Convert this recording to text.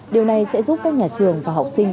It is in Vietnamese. điều này sẽ giúp các nhà trường và học sinh